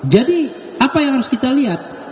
jadi apa yang harus kita lihat